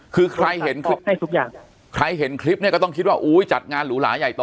คือใครเห็นคลิปให้ทุกอย่างใครเห็นคลิปเนี่ยก็ต้องคิดว่าอุ้ยจัดงานหรูหลาใหญ่โต